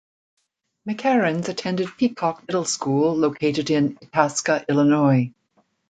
McCareins attended Peacock Middle School located in Itasca, Illinois.